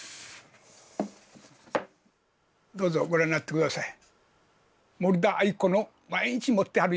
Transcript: どうぞご覧になって下さい。